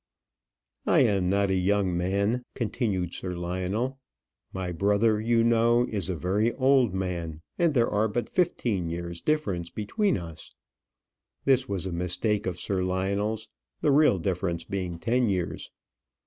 "I am not a young man," continued Sir Lionel. "My brother, you know, is a very old man, and there are but fifteen years' difference between us." This was a mistake of Sir Lionel's; the real difference being ten years.